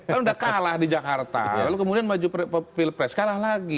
kan udah kalah di jakarta lalu kemudian maju pilpres kalah lagi